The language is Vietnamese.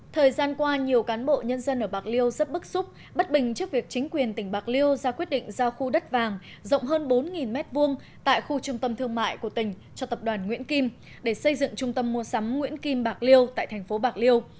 thời gian qua nhiều cán bộ nhân dân ở bạc liêu rất bức xúc bất bình trước việc chính quyền tỉnh bạc liêu ra quyết định giao khu đất vàng rộng hơn bốn m hai tại khu trung tâm thương mại của tỉnh cho tập đoàn nguyễn kim để xây dựng trung tâm mua sắm nguyễn kim bạc liêu tại thành phố bạc liêu